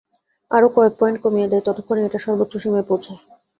আরও কয়েক পয়েন্ট কমিয়ে দেয়, যতক্ষণে এটা সর্বোচ্চ সীমায় পৌঁছায়।